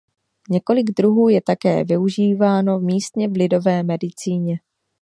Několik druhů je také využíváno místně v lidové medicíně.